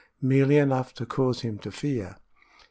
Merely enough to cause him to fear.